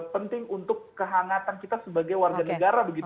penting untuk kehangatan kita sebagai warga negara begitu